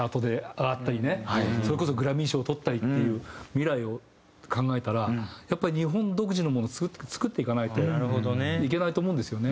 それこそグラミー賞を取ったりっていう未来を考えたらやっぱり日本独自のものを作っていかないといけないと思うんですよね。